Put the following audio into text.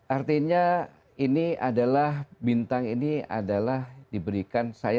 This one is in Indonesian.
artinya ini adalah bintang ini adalah diberikan saya